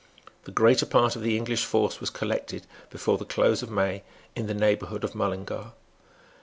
The greater part of the English force was collected, before the close of May, in the neighbourhood of Mullingar.